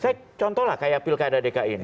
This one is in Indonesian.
saya contohlah kayak pilkada dki ini